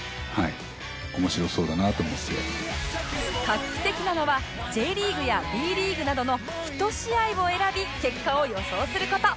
画期的なのは Ｊ リーグや Ｂ リーグなどの１試合を選び結果を予想する事